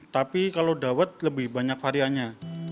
tapi kalau dawet lebih banyak variannya